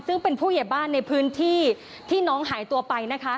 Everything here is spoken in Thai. ซึ่งเป็นผู้ใหญ่บ้านในพื้นที่ที่น้องหายตัวไปนะคะ